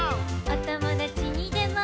「お友達にでも」